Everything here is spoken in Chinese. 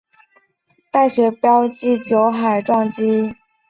酒海撞击时的溅射物是有效的地层年代学标记。